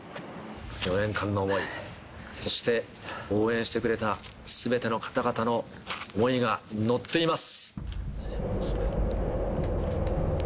４年間の思い、そして、応援してくれたすべての方々の思いが乗っています。